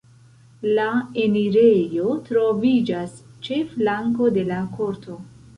La enirejo troviĝas ĉe flanko de la korto.